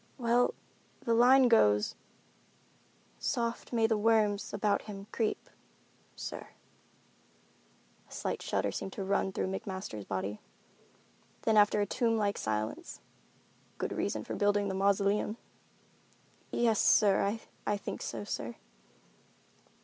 "Well, the line goes, 'Soft may the worms about him creep,' sir." A slight shudder seemed to run through McMasters' body. Then after a tomb like silence, "Good reason for building the mausoleum." "Yes, sir, I think so, sir."